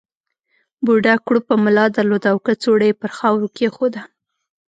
بوډا کړوپه ملا درلوده او کڅوړه یې پر خاورو کېښوده.